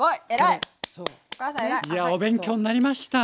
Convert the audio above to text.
いやお勉強になりました。